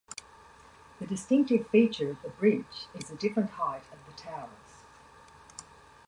The distinctive feature of the Bridge is the different height of the towers.